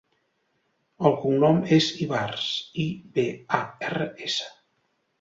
El cognom és Ibars: i, be, a, erra, essa.